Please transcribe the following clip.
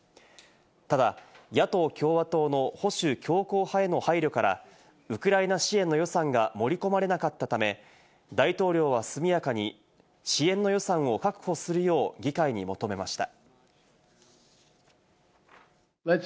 ただ、野党・共和党の保守強硬派への配慮からウクライナ支援の予算が盛り込まれなかったため、大統領は速やかに支援の予算を確保するよう議会に求めました。